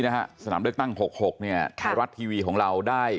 นะฮะสนามเลือกตั้งหกหกเนี้ยค่ะไทยรัฐทีวีของเราได้